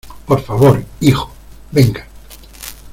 por favor, hijo , venga.